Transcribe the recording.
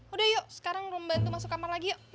udah yuk sekarang rum bantu masuk kamar lagi yuk